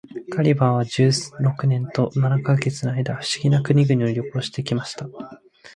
ガリバーは十六年と七ヵ月の間、不思議な国々を旅行して来ました。